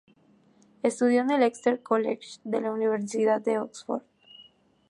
Estudió en el Exeter College de la Universidad de Oxford.